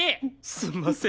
すんません。